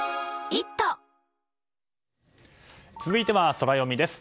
続いてはソラよみです。